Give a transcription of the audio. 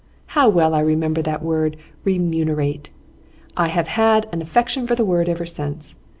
How well I remember that word "remunerate"! I have had an affection for the word ever since.